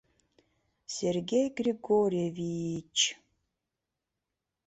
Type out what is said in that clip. — Сергей Григорьеви-и-ч!..